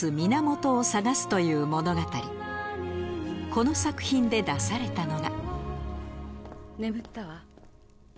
この作品で出されたのが眠ったわ。